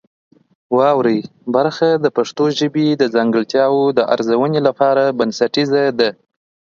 واورئ برخه د پښتو ژبې د ځانګړتیاوو د ارزونې لپاره بنسټیزه ده.